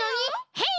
ヘイ！